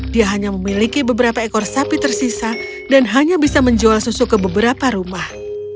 dia hanya memiliki beberapa ekor sapi tersisa dan hanya bisa menjual susu ke beberapa rumah